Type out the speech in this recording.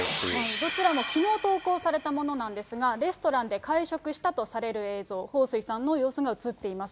どちらもきのう投稿されたものなんですが、レストランで会食したとされる映像、彭帥さんの様子が映っています。